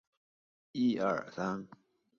博克龙是巴拿马奇里基省博克龙区的一个市。